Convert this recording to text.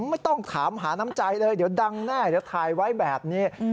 ไม่ต้องถามหาน้ำใจเลยเดี๋ยวดังแน่เดี๋ยวถ่ายไว้แบบนี้